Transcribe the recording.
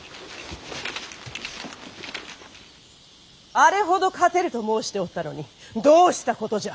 あれほど勝てると申しておったのにどうしたことじゃ！